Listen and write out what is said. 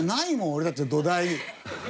俺たちの土台に。